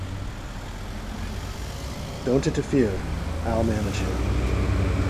Don't interfere; I'll manage him.